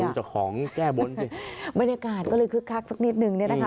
ดูจากของแก้บนสิบรรยากาศก็เลยคึกคักสักนิดนึงเนี่ยนะคะ